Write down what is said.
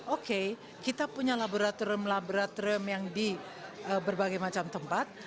oke kita punya laboratorium laboratorium yang di berbagai macam tempat